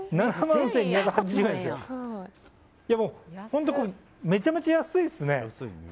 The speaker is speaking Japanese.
本当にめちゃめちゃ安いですね。